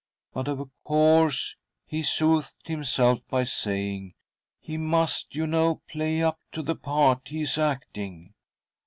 But, of course," he soothed himself by saying, " he must, you know, play up to the part he is acting."